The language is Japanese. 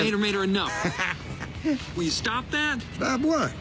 な